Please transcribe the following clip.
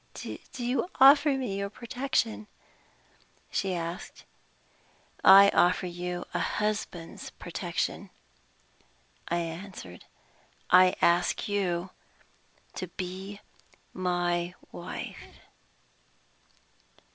"Do you offer me your protection?" she asked. "I offer you a husband's protection," I answered. "I ask you to be my wife."